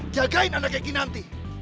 jagain anaknya kinanti